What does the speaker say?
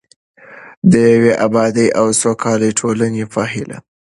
د یوې ابادې او سوکاله ټولنې په هیله.